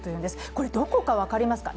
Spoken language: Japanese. これ、どこか分かりますか？